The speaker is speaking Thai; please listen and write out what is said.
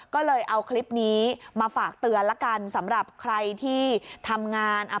ก็เลยเอาคลิปนี้มาฝากเตือนแล้วกันสำหรับใครที่ทำงานอ่า